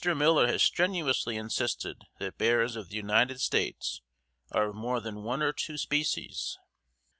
Miller has strenuously insisted that bears of the United States are of more than one or two species.